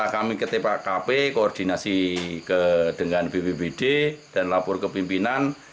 kkp koordinasi dengan bppd dan lapor kepimpinan